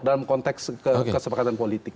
dalam konteks kesepakatan politik